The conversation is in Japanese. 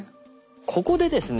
ここでですね